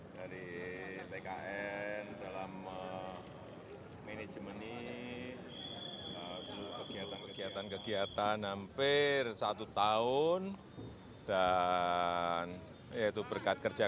dari tkn dalam manajemen ini seluruh kegiatan kegiatan hampir satu tahun dan yaitu berkat kerja